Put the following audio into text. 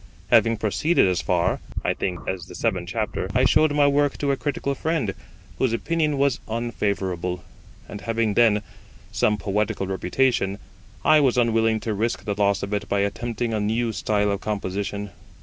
Having proceeded as far, I think, as the seventh chapter, I showed my work to a critical friend, whose opinion was unfavourable; and having then some poetical reputation, I was unwilling to risk the loss of it by attempting a new style of composition.